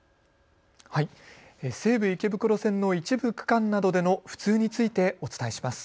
西武池袋線の一部区間などでの不通についてお伝えします。